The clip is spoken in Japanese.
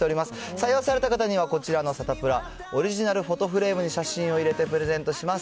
採用された方にはこちらのサタプラオリジナルフォトフレームに写真を入れて、プレゼントします。